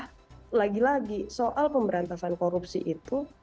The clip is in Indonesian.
karena lagi lagi soal pemberantasan korupsi itu